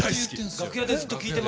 楽屋でずっと聞いてます。